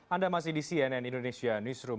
anda masih di cnn indonesia newsroom